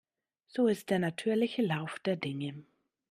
So ist der natürliche Lauf der Dinge.